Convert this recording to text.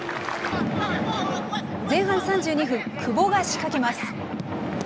前半３２分、久保が仕掛けます。